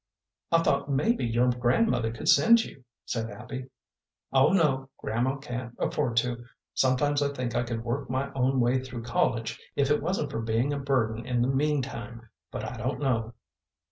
"I thought maybe your grandmother could send you," said Abby. "Oh no, grandma can't afford to. Sometimes I think I could work my own way through college, if it wasn't for being a burden in the mean time, but I don't know."